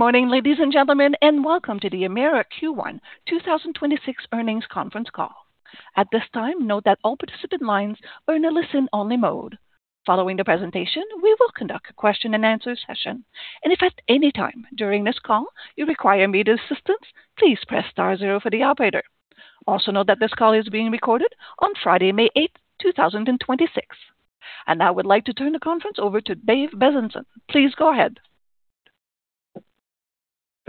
Good morning, ladies and gentlemen, and welcome to the Emera Q1 2026 Earnings Conference Call. At this time, note that all participant lines are in a listen-only mode. Following the presentation, we will conduct a question-and-answer session. And if at any time during this call you require immediate assistance, please press star zero for the operator. Also note that this call is being recorded on Friday, May 8, 2026. Now I would like to turn the conference over to Dave Bezanson. Please go ahead.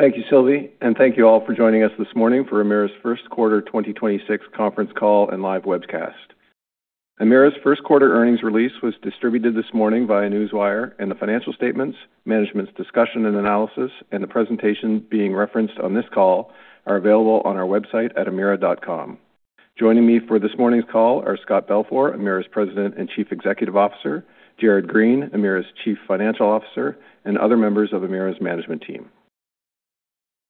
Thank you, Sylvie. Thank you all for joining us this morning for Emera's first quarter 2026 conference call and live webcast. Emera's first quarter earnings release was distributed this morning via Newswire, and the financial statements, management's discussion and analysis, and the presentation being referenced on this call are available on our website at emera.com. Joining me for this morning's call are Scott Balfour, Emera's President and Chief Executive Officer, Jared Green, Emera's Chief Financial Officer, and other members of Emera's management team.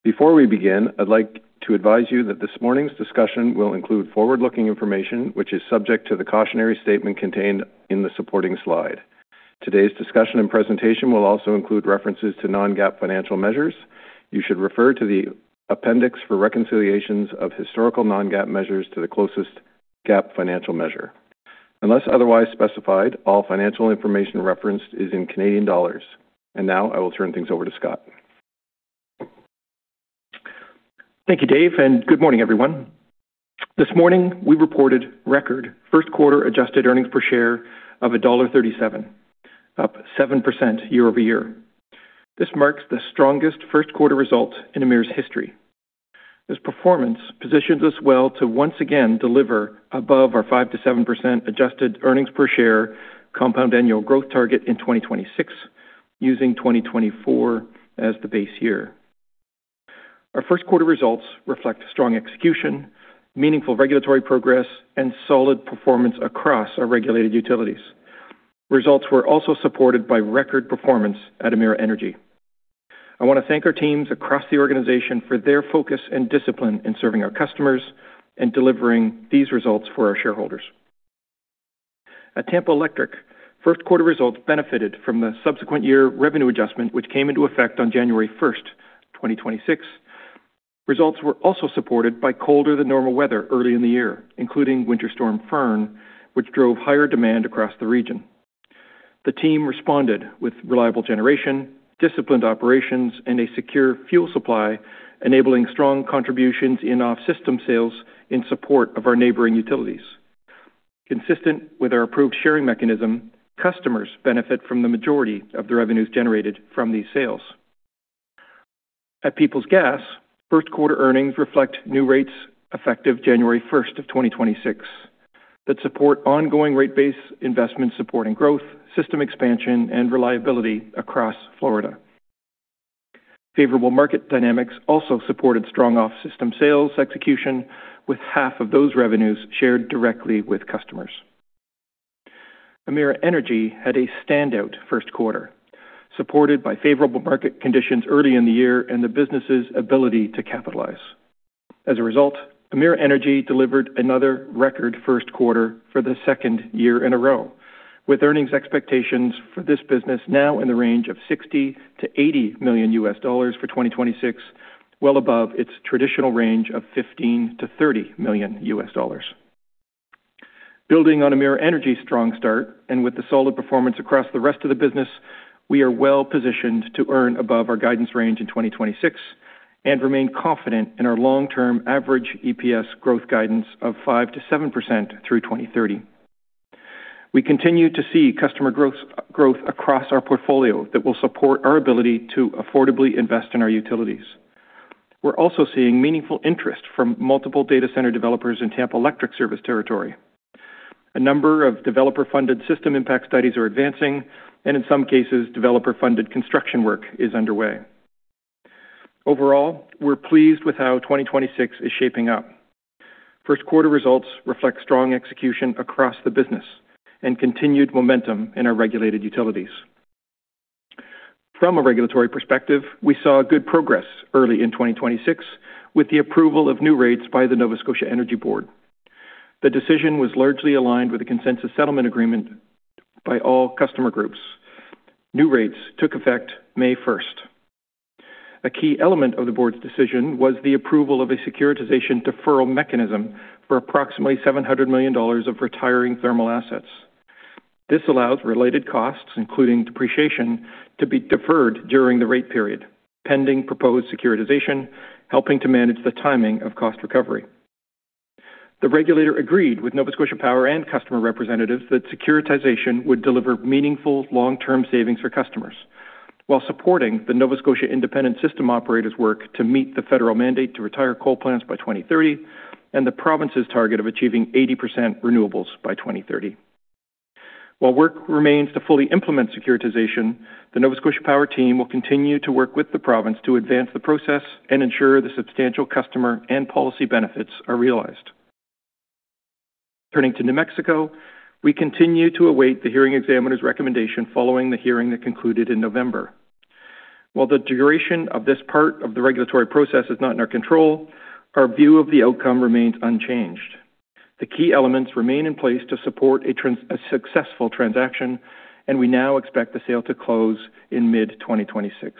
Before we begin, I'd like to advise you that this morning's discussion will include forward-looking information, which is subject to the cautionary statement contained in the supporting slide. Today's discussion and presentation will also include references to non-GAAP financial measures. You should refer to the appendix for reconciliations of historical non-GAAP measures to the closest GAAP financial measure. Unless otherwise specified, all financial information referenced is in Canadian dollars. Now I will turn things over to Scott. Thank you, Dave, and good morning, everyone. This morning, we reported record first quarter adjusted earnings per share of dollar 1.37, up 7% year-over-year. This marks the strongest first quarter result in Emera's history. This performance positions us well to once again deliver above our 5%-7% adjusted earnings per share compound annual growth target in 2026, using 2024 as the base year. Our first quarter results reflect strong execution, meaningful regulatory progress, and solid performance across our regulated utilities. Results were also supported by record performance at Emera Energy. I want to thank our teams across the organization for their focus and discipline in serving our customers and delivering these results for our shareholders. At Tampa Electric, first quarter results benefited from the subsequent year's revenue adjustment, which came into effect on January 1, 2026. Results were also supported by colder-than-normal weather early in the year, including Winter Storm Finn, which drove higher demand across the region. The team responded with reliable generation, disciplined operations, and a secure fuel supply, enabling strong contributions in off-system sales in support of our neighboring utilities. Consistent with our approved sharing mechanism, customers benefit from the majority of the revenues generated from these sales. At Peoples Gas, first quarter earnings reflect new rates effective January 1st of 2026 that support ongoing rate base investment supporting growth, system expansion, and reliability across Florida. Favorable market dynamics also supported strong off-system sales execution, with half of those revenues shared directly with customers. Emera Energy had a standout first quarter, supported by favorable market conditions early in the year and the business's ability to capitalize. As a result, Emera Energy delivered another record first quarter for the second year in a row, with earnings expectations for this business now in the range of $60 million-$80 million for 2026, well above its traditional range of $15 million-$30 million. Building on Emera Energy's strong start and with the solid performance across the rest of the business, we are well-positioned to earn above our guidance range in 2026 and remain confident in our long-term average EPS growth guidance of 5%-7% through 2030. We continue to see customer growth across our portfolio that will support our ability to affordably invest in our utilities. We're also seeing meaningful interest from multiple data center developers in Tampa Electric's service territory. A number of developer-funded system impact studies are advancing, and in some cases, developer-funded construction work is underway. Overall, we're pleased with how 2026 is shaping up. First quarter results reflect strong execution across the business and continued momentum in our regulated utilities. From a regulatory perspective, we saw good progress early in 2026 with the approval of new rates by the Nova Scotia Utility and Review Board. The decision was largely aligned with the consensus settlement agreement by all customer groups. New rates took effect May 1. A key element of the board's decision was the approval of a securitization deferral mechanism for approximately 700 million dollars of retiring thermal assets. This allows related costs, including depreciation, to be deferred during the rate period, pending proposed securitization, helping to manage the timing of cost recovery. The regulator agreed with Nova Scotia Power and customer representatives that securitization would deliver meaningful long-term savings for customers while supporting the Nova Scotia Independent System Operator work to meet the federal mandate to retire coal plants by 2030 and the province's target of achieving 80% renewables by 2030. While work remains to fully implement securitization, the Nova Scotia Power team will continue to work with the province to advance the process and ensure the substantial customer and policy benefits are realized. Turning to New Mexico, we continue to await the hearing examiner's recommendation following the hearing that concluded in November. While the duration of this part of the regulatory process is not in our control, our view of the outcome remains unchanged. The key elements remain in place to support a successful transaction, and we now expect the sale to close in mid-2026.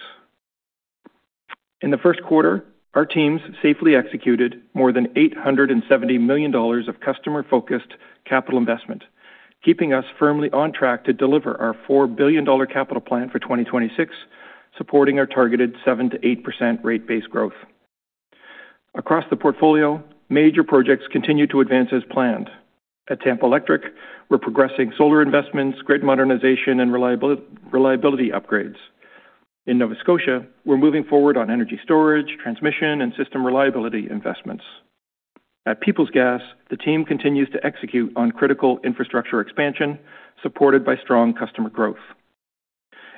In the first quarter, our teams safely executed more than 870 million dollars of customer-focused capital investment, keeping us firmly on track to deliver our 4 billion dollar capital plan for 2026, supporting our targeted 7% to 8% rate base growth. Across the portfolio, major projects continue to advance as planned. At Tampa Electric, we're progressing solar investments, grid modernization, and reliability upgrades. In Nova Scotia, we're moving forward on energy storage, transmission, and system reliability investments. At Peoples Gas, the team continues to execute on critical infrastructure expansion supported by strong customer growth.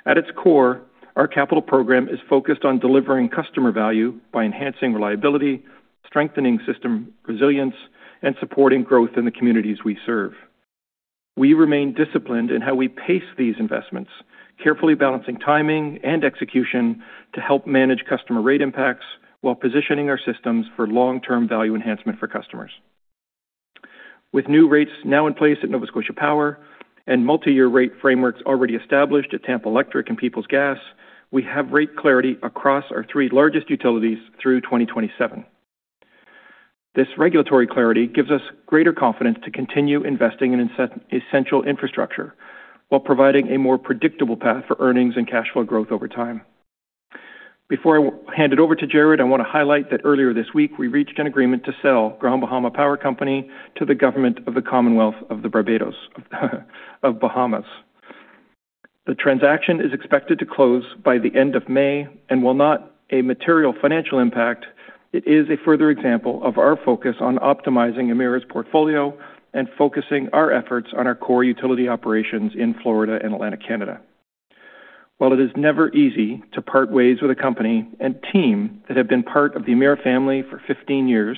At its core, our capital program is focused on delivering customer value by enhancing reliability, strengthening system resilience, and supporting growth in the communities we serve. We remain disciplined in how we pace these investments, carefully balancing timing and execution to help manage customer rate impacts while positioning our systems for long-term value enhancement for customers. With new rates now in place at Nova Scotia Power and multi-year rate frameworks already established at Tampa Electric and Peoples Gas, we have rate clarity across our three largest utilities through 2027. This regulatory clarity gives us greater confidence to continue investing in essential infrastructure while providing a more predictable path for earnings and cash flow growth over time. Before I hand it over to Jared, I want to highlight that earlier this week, we reached an agreement to sell Grand Bahama Power Company to the government of the Commonwealth of the Bahamas. The transaction is expected to close by the end of May. While not a material financial impact, it is a further example of our focus on optimizing Emera's portfolio and focusing our efforts on our core utility operations in Florida and Atlantic Canada. While it is never easy to part ways with a company and team that have been part of the Emera family for 15 years,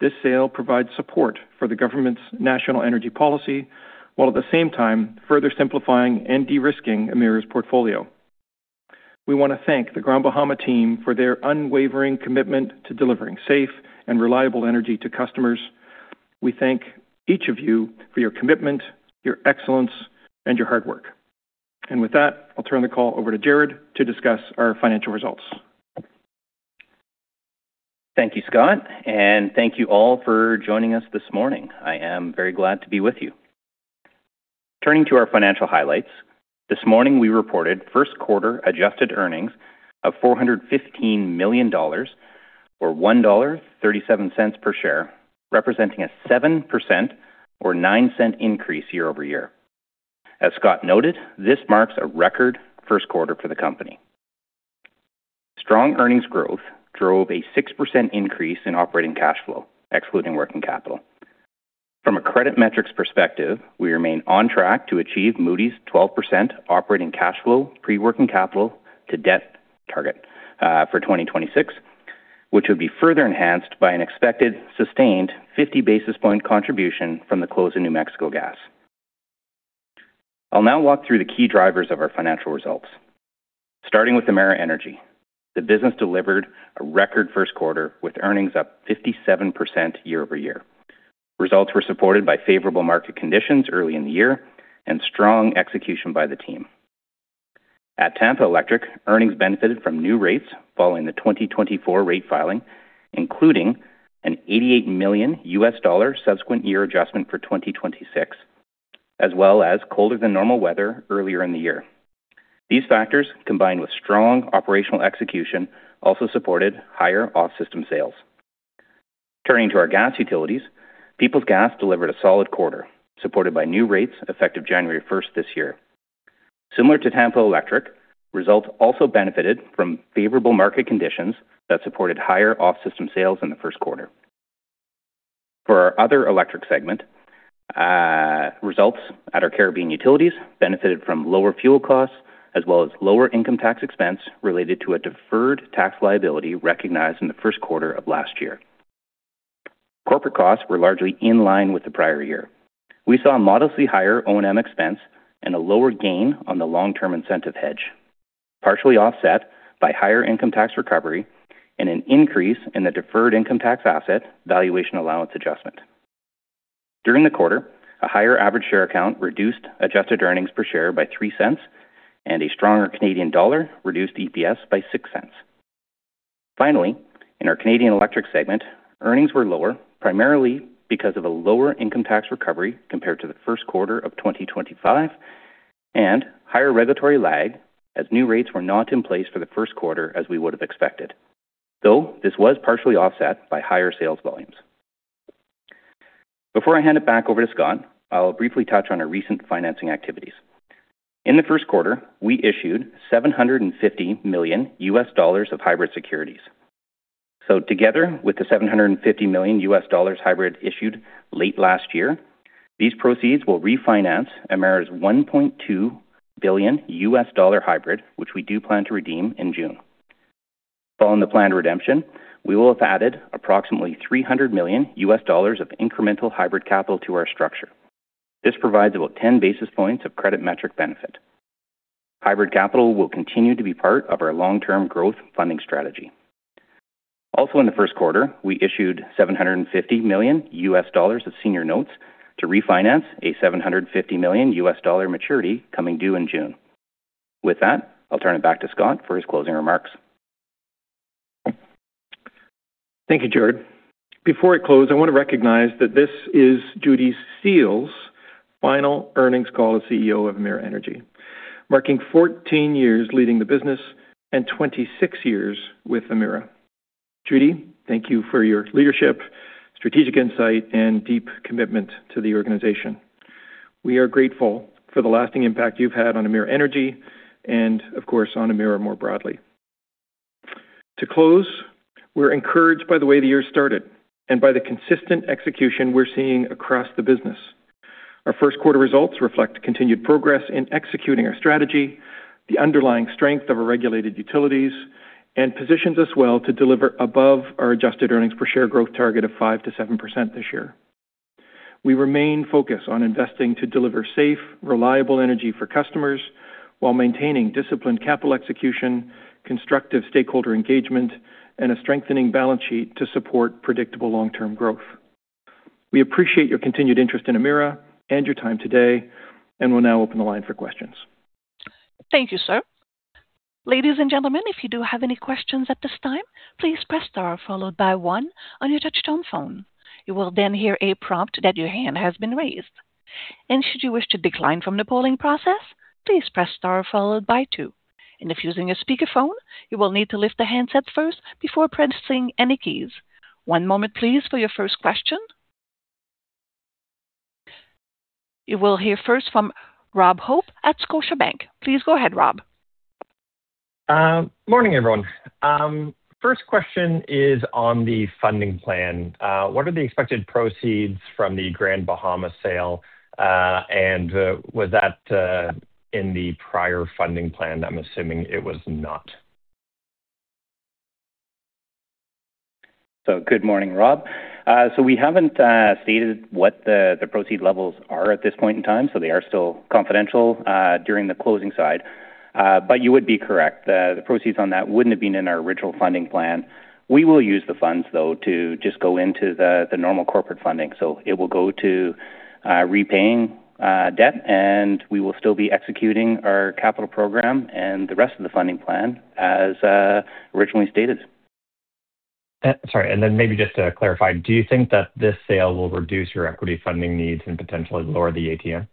this sale provides support for the government's national energy policy while, at the same time, further simplifying and de-risking Emera's portfolio. We want to thank the Grand Bahama team for their unwavering commitment to delivering safe and reliable energy to customers. We thank each of you for your commitment, your excellence, and your hard work. With that, I'll turn the call over to Jared to discuss our financial results. Thank you, Scott, and thank you all for joining us this morning. I am very glad to be with you. Turning to our financial highlights, this morning we reported first quarter adjusted earnings of 415 million dollars or 1.37 dollar per share, representing a 7% or 0.09 increase year-over-year. As Scott noted, this marks a record first quarter for the company. Strong earnings growth drove a 6% increase in operating cash flow, excluding working capital. From a credit metrics perspective, we remain on track to achieve Moody's 12% operating cash flow pre-working capital to debt target for 2026, which would be further enhanced by an expected sustained 50 basis point contribution from the close of New Mexico Gas. I'll now walk through the key drivers of our financial results. Starting with Emera Energy, the business delivered a record first quarter with earnings up 57% year-over-year. Results were supported by favorable market conditions early in the year and strong execution by the team. At Tampa Electric, earnings benefited from new rates following the 2024 rate filing, including an $88 million subsequent-year adjustment for 2026, as well as colder than normal weather earlier in the year. These factors, combined with strong operational execution, also supported higher off-system sales. Turning to our gas utilities, Peoples Gas delivered a solid quarter, supported by new rates effective January 1 this year. Similar to Tampa Electric, results also benefited from favorable market conditions that supported higher off-system sales in the first quarter. For our other electric segment, results at our Caribbean utilities benefited from lower fuel costs as well as lower income tax expense related to a deferred tax liability recognized in the first quarter of last year. Corporate costs were largely in line with the prior year. We saw a modestly higher O&M expense and a lower gain on the long-term incentive hedge, partially offset by higher income tax recovery and an increase in the deferred income tax asset valuation allowance adjustment. During the quarter, a higher average share count reduced adjusted earnings per share by 0.03, and a stronger Canadian dollar reduced EPS by 0.06. Finally, in our Canadian electric segment, earnings were lower, primarily because of a lower income tax recovery compared to the first quarter of 2025 and higher regulatory lag as new rates were not in place for the first quarter as we would have expected, though this was partially offset by higher sales volumes. Before I hand it back over to Scott, I'll briefly touch on our recent financing activities. In the first quarter, we issued $750 million US dollars of hybrid securities. Together with the $750 million US dollars hybrid issued late last year, these proceeds will refinance Emera's $1.2 billion US dollar hybrid, which we do plan to redeem in June. Following the planned redemption, we will have added approximately $300 million US dollars of incremental hybrid capital to our structure. This provides about 10 basis points of credit metric benefit. Hybrid capital will continue to be part of our long-term growth funding strategy. Also in the first quarter, we issued $750 million of senior notes to refinance a $750 million maturity coming due in June. With that, I'll turn it back to Scott for his closing remarks. Thank you, Jared. Before I close, I want to recognize that this is Judy Steele's final earnings call as CEO of Emera Energy, marking 14 years leading the business and 26 years with Emera. Judy, thank you for your leadership, strategic insight, and deep commitment to the organization. We are grateful for the lasting impact you've had on Emera Energy and, of course, on Emera more broadly. To close, we're encouraged by the way the year started and by the consistent execution we're seeing across the business. Our first quarter results reflect continued progress in executing our strategy and the underlying strength of our regulated utilities and position us well to deliver above our adjusted earnings per share growth target of 5%-7% this year. We remain focused on investing to deliver safe, reliable energy for customers while maintaining disciplined capital execution, constructive stakeholder engagement, and a strengthening balance sheet to support predictable long-term growth. We appreciate your continued interest in Emera and your time today and will now open the line for questions. Thank you, sir. Ladies and gentlemen, if you do have any questions at this time, please press the star followed by one on your touch-tone phone. You will then hear a prompt that your hand has been raised. Should you wish to decline from the polling process, please press the star followed by two. If using a speakerphone, you will need to lift the handset first before pressing any keys. One moment, please, for your first question. You will hear first from Rob Hope at Scotiabank. Please go ahead, Rob. Morning, everyone. First question is on the funding plan. What are the expected proceeds from the Grand Bahama sale, and was that in the prior funding plan? I'm assuming it was not. Good morning, Rob. We haven't stated what the profit levels are at this point in time, so they are still confidential during the closing side. You would be correct. The proceeds on that wouldn't have been in our original funding plan. We will use the funds, though, to just go into the normal corporate funding. It will go to repaying debt, and we will still be executing our capital program and the rest of the funding plan as originally stated. Sorry. Then maybe just to clarify, do you think that this sale will reduce your equity funding needs and potentially lower the ATM? I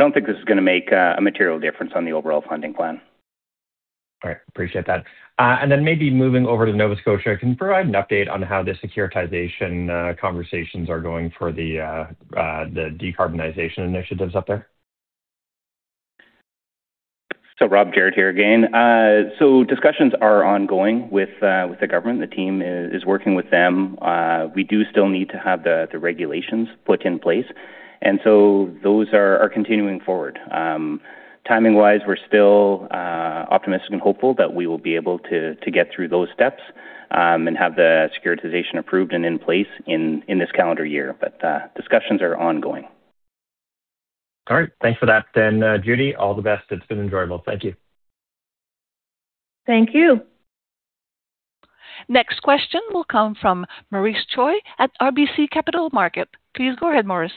don't think this is gonna make a material difference on the overall funding plan. All right. Appreciate that. Maybe moving over to Nova Scotia, can you provide an update on how the securitization conversations are going for the decarbonization initiatives up there? Rob, Jared here again. Discussions are ongoing with the government. The team is working with them. We do still need to have the regulations put in place. Those are continuing forward. Timing-wise, we're still optimistic and hopeful that we will be able to get through those steps and have the securitization approved and in place in this calendar year. Discussions are ongoing. All right. Thanks for that. Judy, all the best. It's been enjoyable. Thank you. Thank you. Next question will come from Maurice Choy at RBC Capital Markets. Please go ahead, Maurice.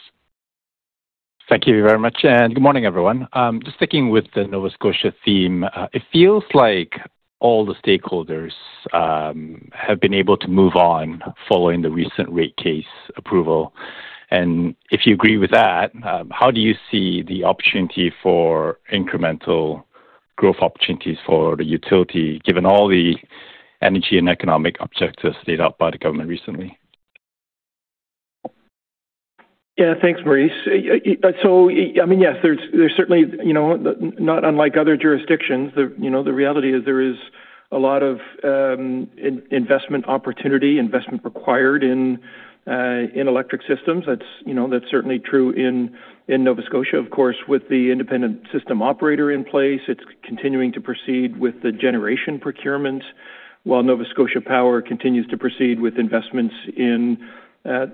Thank you very much. Good morning, everyone. Just sticking with the Nova Scotia theme, it feels like all the stakeholders have been able to move on following the recent rate case approval. If you agree with that, how do you see the opportunity for incremental growth opportunities for the utility, given all the energy and economic objectives laid out by the government recently? Thanks, Maurice. I mean, yes, there's certainly, you know, not unlike other jurisdictions, the reality is there is a lot of investment opportunity and investment required in electric systems. That's, you know, that's certainly true in Nova Scotia. Of course, with the Independent System Operator in place, it's continuing to proceed with the generation procurement while Nova Scotia Power continues to proceed with investments in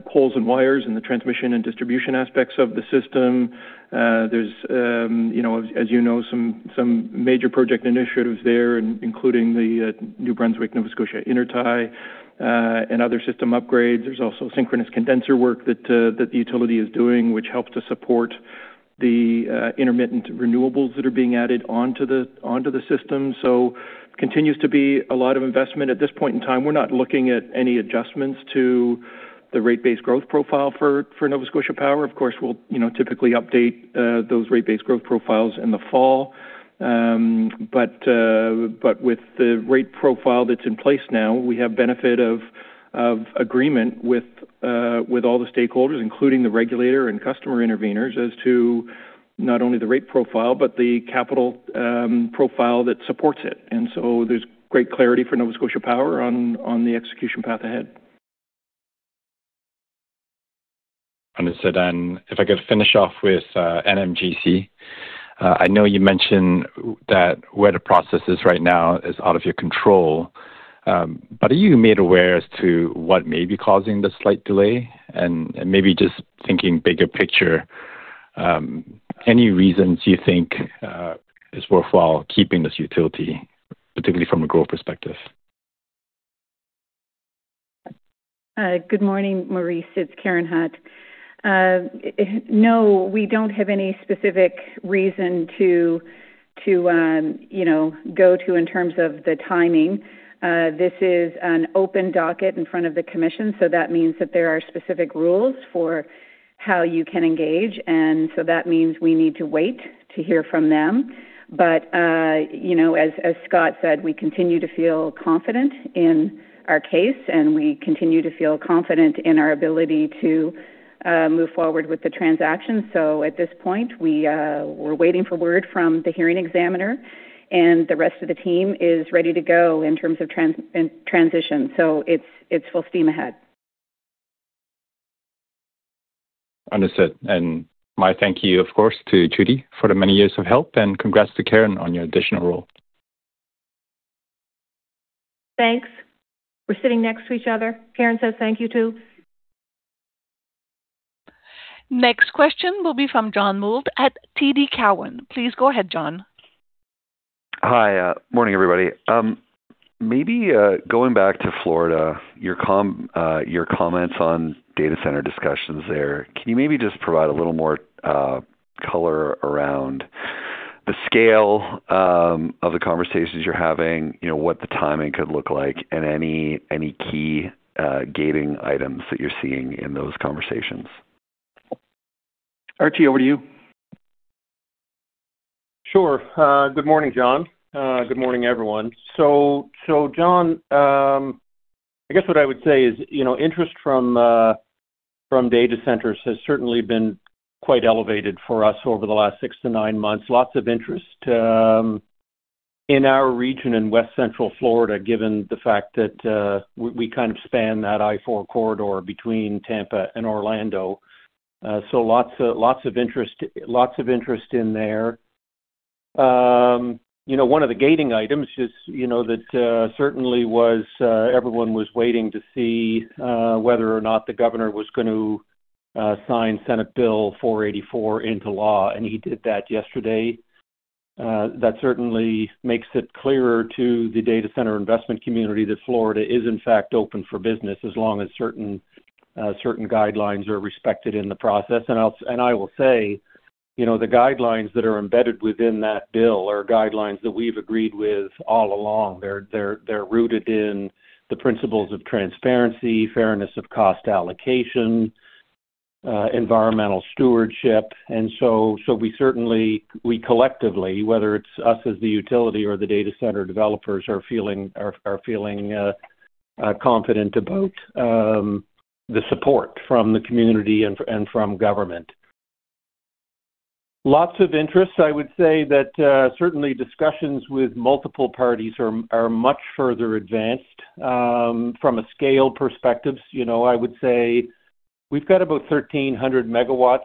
poles and wires and the transmission and distribution aspects of the system. There are, you know, as you know, some major project initiatives there, including the New Brunswick, Nova Scotia Intertie, and other system upgrades. There's also synchronous condenser work that the utility is doing, which helps to support the intermittent renewables that are being added onto the system. Continues to be a lot of investment. At this point in time, we're not looking at any adjustments to the rate base growth profile for Nova Scotia Power. Of course, we'll, you know, typically update those rate base growth profiles in the fall. But with the rate profile that's in place now, we have the benefit of agreement with all the stakeholders, including the regulator and customer interveners, as to not only the rate profile but also the capital profile that supports it. There's great clarity for Nova Scotia Power on the execution path ahead. Understood. If I could, I'd finish off with NMGC. I know you mentioned that where the process is right now is out of your control. Are you made aware as to what may be causing the slight delay? Maybe just thinking bigger picture, are there any reasons you think it is worthwhile keeping this utility, particularly from a growth perspective? Good morning, Maurice Choy. It's Karen Hutt. no, we don't have any specific reason to, you know, go in terms of the timing. This is an open docket in front of the commission, so that means that there are specific rules for how you can engage. That means we need to wait to hear from them. you know, as Scott said, we continue to feel confident in our case, and we continue to feel confident in our ability to move forward with the transaction. At this point, we're waiting for word from the hearing examiner, and the rest of the team is ready to go in terms of transition. It's full steam ahead. Understood. My thank you, of course, to Judy Steele for the many years of help, and congrats to Karen Hutt on your additional role. Thanks. We're sitting next to each other. Karen says thank you, too. Next question will be from John Mould at TD Cowen. Please go ahead, John. Hi. morning, everybody. Maybe, going back to Florida, your comments on data center discussions there. Can you maybe just provide a little more color around the scale of the conversations you're having, you know, what the timing could look like, and any key gating items that you're seeing in those conversations? Archie, over to you. Good morning, John. Good morning, everyone. John, I guess what I would say is, you know, interest from data centers has certainly been quite elevated for us over the last six to nine months. Lots of interest in our region in West Central Florida, given the fact that we kind of span that I-4 corridor between Tampa and Orlando. Lots of interest in there. You know, one of the gating items is, you know, that certainly was everyone waiting to see whether or not the governor was going to sign Senate Bill 484 into law, and he did that yesterday. That certainly makes it clearer to the data center investment community that Florida is in fact open for business as long as certain guidelines are respected in the process. I will say, you know, the guidelines that are embedded within that bill are guidelines that we've agreed with all along. They're rooted in the principles of transparency, fairness of cost allocation, and environmental stewardship. So we certainly, we collectively, whether it's us as the utility or the data center developers, are feeling confident about the support from the community and from the government. Lots of interest. I would say that certainly discussions with multiple parties are much further advanced. From a scale perspective, you know, I would say we've got about 1,300MW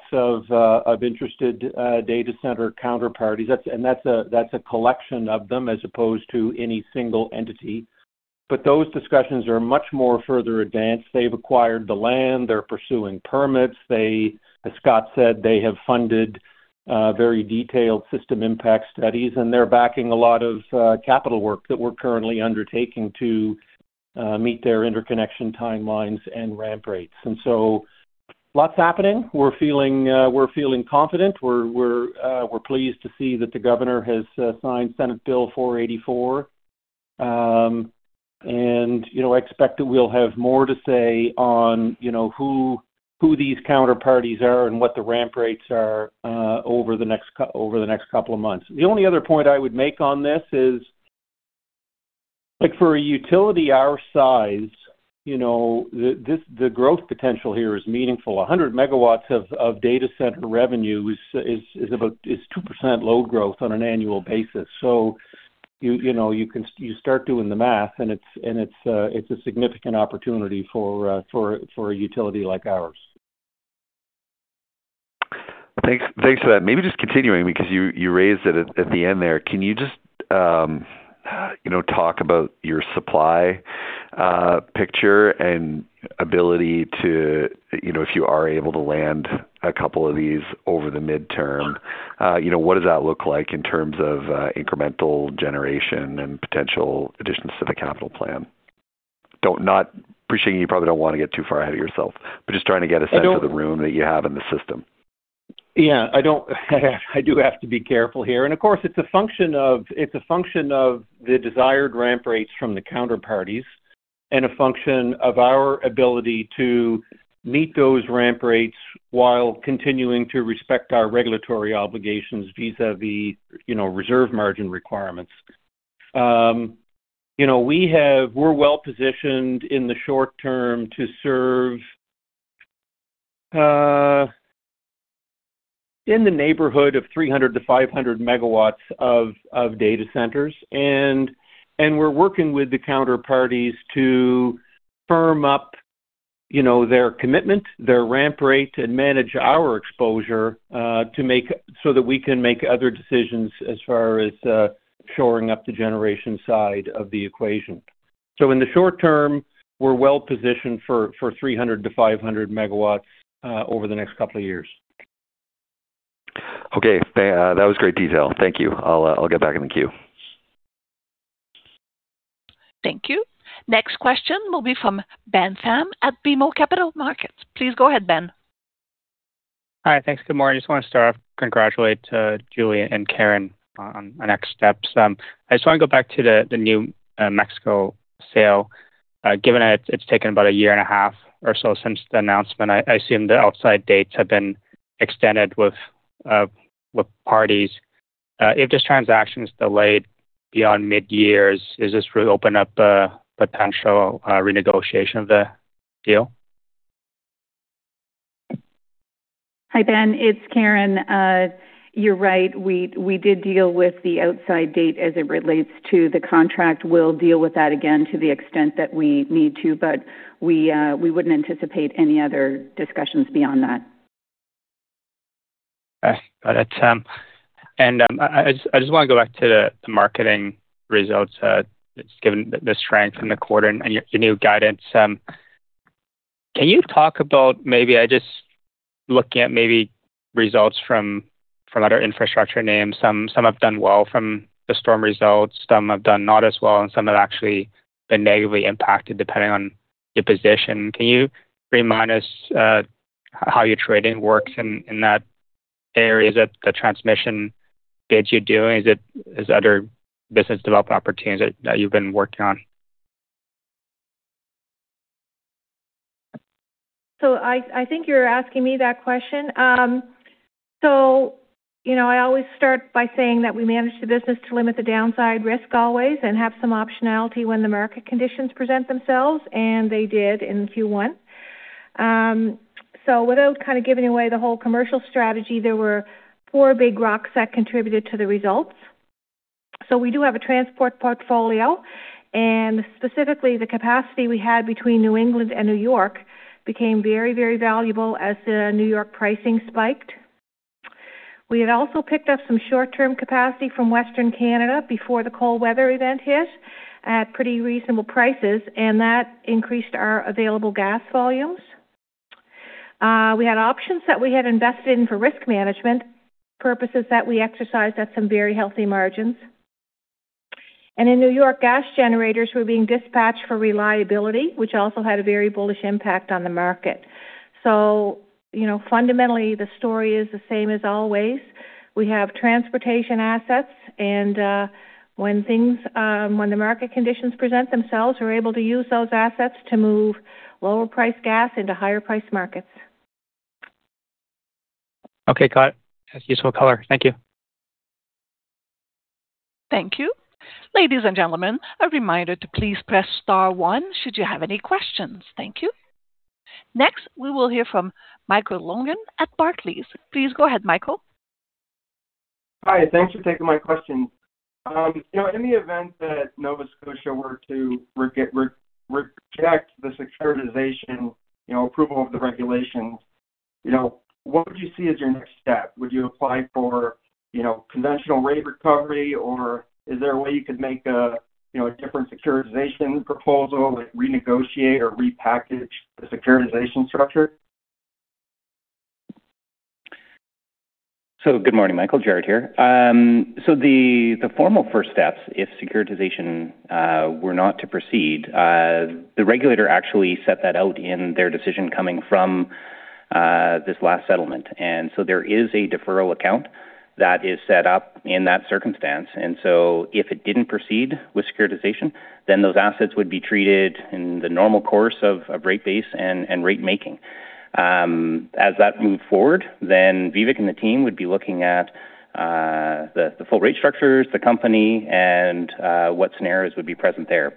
of interested data center counterparties. That's a collection of them as opposed to any single entity. Those discussions are much further advanced. They've acquired the land. They're pursuing permits. They, as Scott said, have funded very detailed system impact studies, and they're backing a lot of capital work that we're currently undertaking to meet their interconnection timelines and ramp rates. Lots happening. We're feeling confident. We're pleased to see that the governor has signed Senate Bill 484. You know, expect that we'll have more to say on, you know, who these counterparties are and what the ramp rates are over the next couple of months. The only other point I would make on this is, like, for a utility our size, you know, the growth potential here is meaningful. 100MW of data center revenue is about 2% load growth on an annual basis. You, you know, you start doing the math, and it's a significant opportunity for a utility like ours. Thanks. Thanks for that. Maybe just continuing because you raised it at the end there. Can you just, you know, talk about your supply picture and ability to, you know, if you are able to land a couple of these over the midterm, you know, what does that look like in terms of incremental generation and potential additions to the capital plan? Appreciate you probably don't want to get too far ahead of yourself, but I'm just trying to get a sense. I don't- of the room that you have in the system. Yeah. I do have to be careful here. Of course, it's a function of the desired ramp rates from the counterparties and a function of our ability to meet those ramp rates while continuing to respect our regulatory obligations vis-a-vis, you know, reserve margin requirements. You know, we're well-positioned in the short term to serve in the neighborhood of 300MW to 500MW of data centers. We're working with the counterparties to firm up, you know, their commitment and their ramp rate and manage our exposure so that we can make other decisions as far as shoring up the generation side of the equation. In the short term, we're well-positioned for 300MW to 500MW over the next couple of years. Okay. That was great detail. Thank you. I'll get back in the queue. Thank you. Next question will be from Ben Pham at BMO Capital Markets. Please go ahead, Ben. Hi. Thanks. Good morning. I just want to start off by congratulating Judy and Karen on the next steps. I just want to go back to the New Mexico Gas Company sale. Given that it's taken about a year and a half or so since the announcement, I assume the outside dates have been extended with parties. If this transaction is delayed beyond mid-year, does this really open up a potential renegotiation of the deal? Hi, Ben. It's Karen. You're right. We did deal with the outside date as it relates to the contract. We'll deal with that again to the extent that we need to, but we wouldn't anticipate any other discussions beyond that. Got it. I just want to go back to the marketing results, just given the strength in the quarter and your new guidance. Can you talk about results from other infrastructure names? Some have done well from the storm results, some have done not as well, and some have actually been negatively impacted depending on your position. Can you remind us how your trading works in that area with the transmission bids you're doing? Is it other business development opportunities that you've been working on? I think you're asking me that question. You know, I always start by saying that we manage the business to limit the downside risk always and have some optionality when the market conditions present themselves, and they did in Q1. Without kind of giving away the whole commercial strategy, there were four big rocks that contributed to the results. We do have a transport portfolio, and specifically, the capacity we had between New England and New York became very, very valuable as the New York pricing spiked. We had also picked up some short-term capacity from Western Canada before the cold weather event hit at pretty reasonable prices, and that increased our available gas volumes. We had options that we had invested in for risk management purposes that we exercised at some very healthy margins. In New York, gas generators were being dispatched for reliability, which also had a very bullish impact on the market. You know, fundamentally, the story is the same as always. We have transportation assets, and when the market conditions present themselves, we're able to use those assets to move lower-priced gas into higher-priced markets. Okay. Got it. That's a useful color. Thank you. Thank you. Ladies and gentlemen, a reminder to please press star one should you have any questions. Thank you. Next, we will hear from Michael Logan at Barclays. Please go ahead, Michael. Hi. Thanks for taking my question. You know, in the event that Nova Scotia were to reject the securitization, you know, approval of the regulations, you know, what would you see as your next step? Would you apply for, you know, conventional rate recovery, or is there a way you could make a, you know, different securitization proposal, like renegotiate or repackage the securitization structure? Good morning, Michael. Jared here. The formal first steps, if securitization were not to proceed, the regulator actually set that out in their decision coming from this last settlement. There is a deferral account that is set up in that circumstance. If it didn't proceed with securitization, then those assets would be treated in the normal course of a rate base and ratemaking. As that moved forward, Vivek and the team would be looking at the full rate structures, the company, and what scenarios would be present there.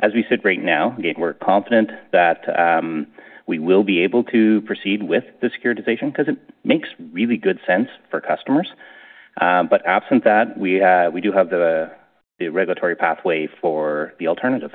As we sit right now, again, we're confident that we will be able to proceed with the securitization because it makes really good sense for customers. Absent that, we do have the regulatory pathway for the alternative.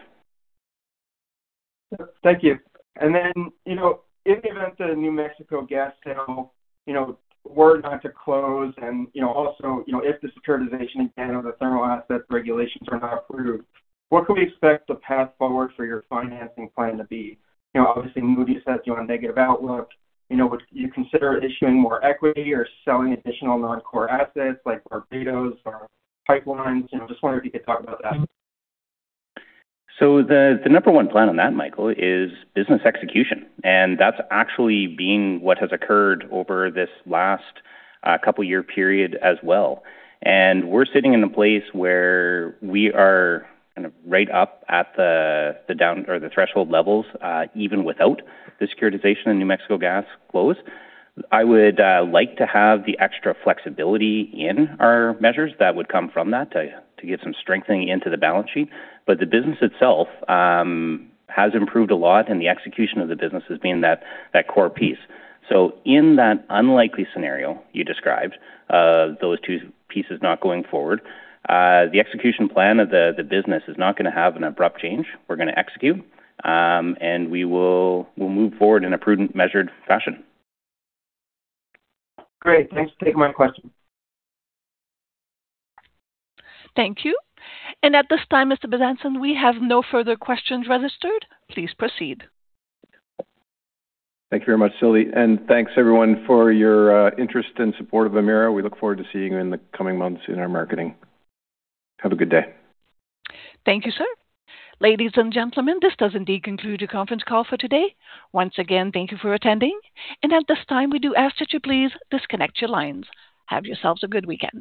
Thank you. Then, you know, in the event the New Mexico Gas sale, you know, were not to close and, you know, also, you know, if the securitization again of the thermal asset regulations are not approved, what could we expect the path forward for your financing plan to be? You know, obviously, Moody's has you on a negative outlook. You know, would you consider issuing more equity or selling additional non-core assets like Barbados or pipelines? You know, just wondering if you could talk about that. The number one plan for that, Michael, is business execution, and that's actually been what has occurred over this last couple-year period as well. We're sitting in a place where we are kind of right up at the down or the threshold levels, even without the securitization of New Mexico Gas close. I would like to have the extra flexibility in our measures that would come from that to get some strengthening into the balance sheet. The business itself has improved a lot, and the execution of the business has been that core piece. In that unlikely scenario you described of those two pieces not going forward, the execution plan of the business is not going to have an abrupt change. We're going to execute, and we'll move forward in a prudent, measured fashion. Great. Thanks for taking my question. Thank you. At this time, Mr. Bezanson, we have no further questions registered. Please proceed. Thank you very much, Sylvie. Thanks everyone for your interest and support of Emera. We look forward to seeing you in the coming months in our marketing. Have a good day. Thank you, sir. Ladies and gentlemen, this does indeed conclude the conference call for today. Once again, thank you for attending. At this time, we do ask that you please disconnect your lines. Have yourselves a good weekend.